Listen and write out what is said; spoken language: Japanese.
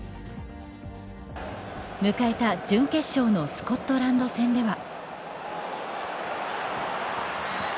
迎えた準決勝のスコットランド戦では。